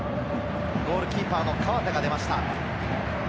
ゴールキーパー、河田が出ました。